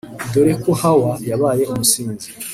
dore ko Hawa yabaye umusinzi